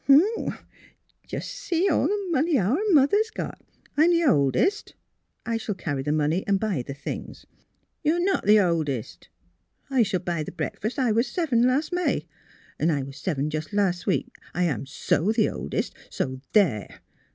'''' H 'm m ! Jus ' see all the money our mother 's got! I'm the oldest. I shall carry the money and buy the things." ^' You are not the oldest, I shall buy the break fast. I was seven last May." <' 'N' I was seven jus' las' week. I am so the oldest. So there!